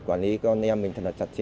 quản lý con em mình thật là chặt chẽ